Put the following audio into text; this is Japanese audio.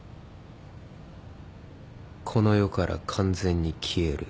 この世から完全に消える。